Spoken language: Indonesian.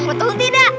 betul atau tidak